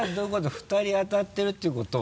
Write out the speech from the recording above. ２人当たってるっていうことは？